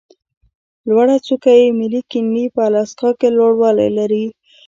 لوړه څوکه یې مک کینلي په الاسکا کې لوړوالی لري.